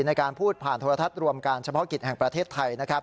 ในการพูดผ่านโทรทัศน์รวมการเฉพาะกิจแห่งประเทศไทยนะครับ